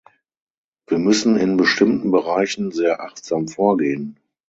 Wir müssen in bestimmten Bereichen sehr achtsam vorgehen.